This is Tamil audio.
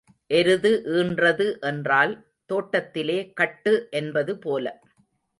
எருது ஈன்றது என்றால் தோட்டத்திலே கட்டு என்பது போல.